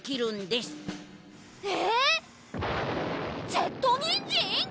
ジェットにんじん？